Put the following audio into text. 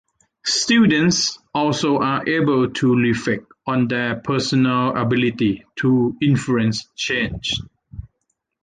Students also are able to reflect on their personal ability to influence change.